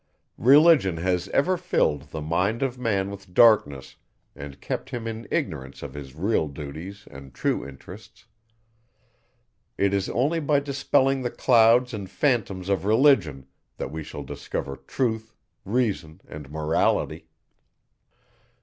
Religion has ever filled the mind of man with darkness, and kept him in ignorance of his real duties and true interests. It is only by dispelling the clouds and phantoms of Religion, that we shall discover Truth, Reason, and Morality.